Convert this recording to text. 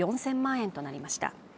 円となりました